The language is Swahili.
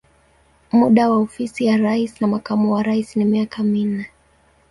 Muda wa ofisi ya rais na makamu wa rais ni miaka minne.